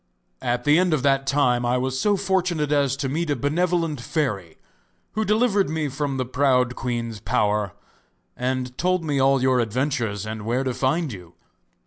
At the end of that time I was so fortunate as to meet a benevolent fairy who delivered me from the proud queen's power, and told me all your adventures and where to find you.